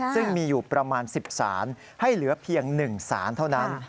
ซึ่งมีอยู่ประมาณ๑๐ศาลให้เหลือเพียง๑ศาลเท่านั้น